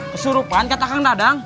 kesurupan kaya takang dadang